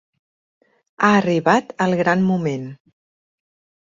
Ha arribat el gran moment.